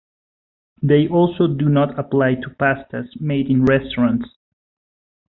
They also do not apply to pastas made in restaurants.